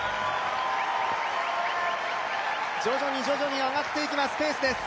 徐々に徐々に上がっていきます